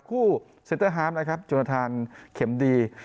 คู่เซ็นเตอร์ฮาร์มนะครับจนทานเข็มดี